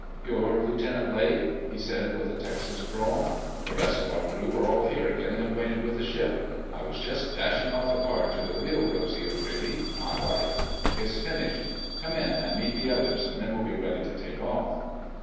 "You're Lieutenant Blake?" he said with a Texas drawl. "The rest of our crew are all here, getting acquainted with the ship. I was just dashing off a card to the real Rosy O'Grady—my wife. It's finished. Come in and meet the others. Then we'll be ready to take off."